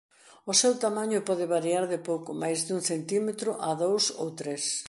O seu tamaño pode variar de pouco máis dun centímetro a dous ou tres.